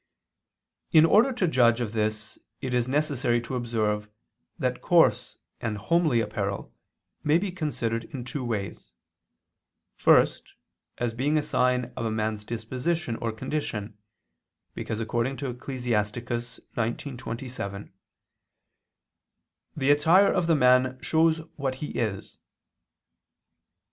In order to judge of this it is necessary to observe that coarse and homely apparel may be considered in two ways. First, as being a sign of a man's disposition or condition, because according to Ecclus. 19:27, "the attire ... of the man" shows "what he is."